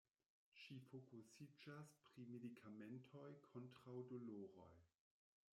Ŝi fokusiĝas pri medikamentoj kontraŭ doloroj.